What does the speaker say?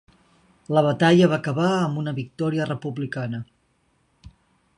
La batalla va acabar amb una victòria republicana.